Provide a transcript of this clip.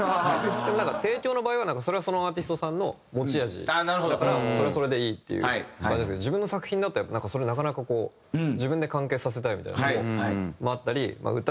なんか提供の場合はそれはそのアーティストさんの持ち味だからそれはそれでいいっていう感じですけど自分の作品だとそれをなかなかこう自分で完結させたいみたいなとこもあったり歌